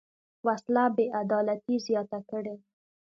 وسله بېعدالتي زیاته کړې